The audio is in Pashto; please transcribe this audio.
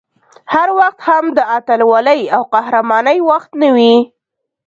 هر وخت هم د اتلولۍ او قهرمانۍ وخت نه وي